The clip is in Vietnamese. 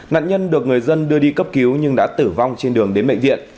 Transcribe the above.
nạn nhân được người dân đưa đi cấp cứu nhưng đã tử vong trên đường đến bệnh viện